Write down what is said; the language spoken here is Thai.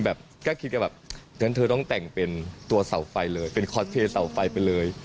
แบบก็คิดกันแบบนั้นเธอต้องแต่งเป็นตัวเสาไฟเลยเป็นคอสเทลเสาไฟไปเลย